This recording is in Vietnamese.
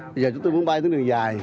bây giờ chúng tôi muốn bay tới đường dài